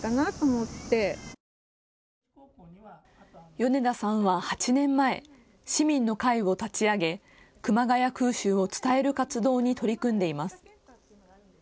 米田さんは８年前、市民の会を立ち上げ、熊谷空襲を伝える活動に取り組んでいます。